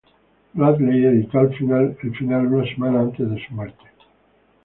Bradley editó el final una semana antes de su muerte.